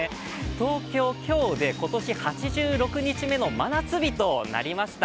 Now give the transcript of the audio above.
東京、今日で今年８６日目の真夏日となりました。